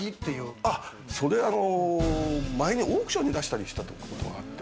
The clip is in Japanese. それ、あの前にオークションに出したりしたことがあって。